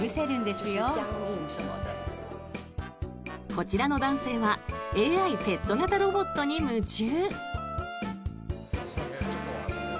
こちらの男性はＡＩペット型ロボットに夢中。